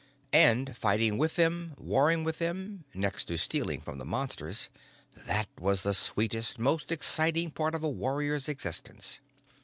And fighting with them, warring with them next to stealing from the Monsters, that was the sweetest, most exciting part of a warrior's existence.